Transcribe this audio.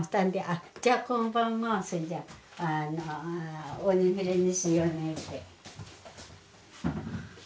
じゃあ今晩もそれじゃあおにぎりにしようねって。